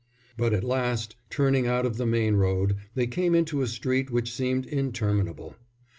But at last, turning out of the main road, they came into a street which seemed interminable.